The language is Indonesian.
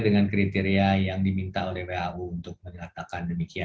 dengan kriteria yang diminta